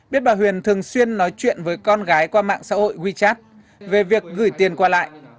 biết bà huyền thường xuyên nói chuyện với con gái qua mạng xã hội wechat về việc gửi tiền qua lại